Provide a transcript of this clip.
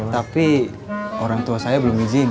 tapi orang tua saya belum izin